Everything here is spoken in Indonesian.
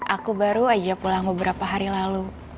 aku baru aja pulang beberapa hari lalu